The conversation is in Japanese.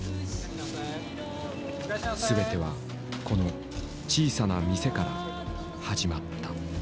全てはこの小さな店から始まった。